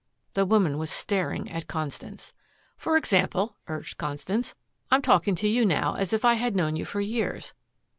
The woman was staring at Constance. "For example," urged Constance, "I'm talking to you now as if I had known you for years.